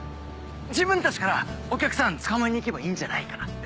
自分たちからお客さんつかまえにいけばいいんじゃないかなって。